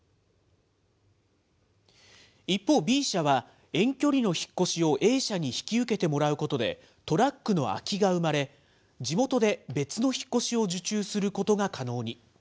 一方、Ｂ社は、遠距離の引っ越しをＡ社に引き受けてもらうことで、トラックの空きが生まれ、地元で別の引っ越しを受注することが可能に。